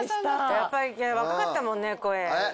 やっぱり若かったもんね声。